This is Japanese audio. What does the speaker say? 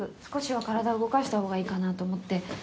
少しは体動かしたほうがいいかなと思って。